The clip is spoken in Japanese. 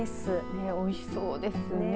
ね、おいしそうですね。